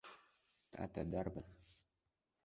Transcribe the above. Тата дарбан?